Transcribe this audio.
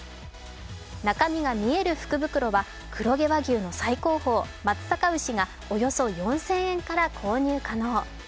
中身が見える福袋は黒毛和牛の最高峰、松阪牛がおよそ４０００円から購入可能。